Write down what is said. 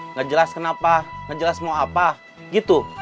nggak jelas kenapa nggak jelas mau apa gitu